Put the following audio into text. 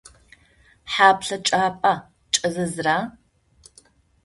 Хьа плъэкӏапӏэ кӏэзэзыра?